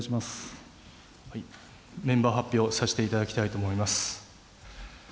メンバー発表させていただきたいと思います。